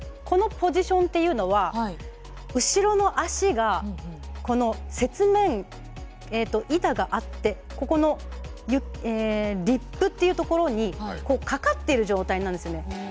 このポジションというのは後ろの足がこの雪面、板があってここのリップというところにかかっている状態なんですよね。